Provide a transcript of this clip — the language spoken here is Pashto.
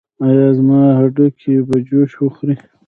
ایا زما هډوکي به جوش وخوري؟